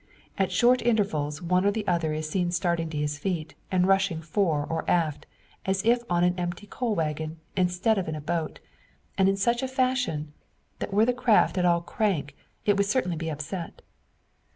At short intervals one or other is seen starting to his feet, and rushing fore or aft as if on an empty coal waggon, instead of in a boat and in such fashion, that were the craft at all crank, it would certainly be upset!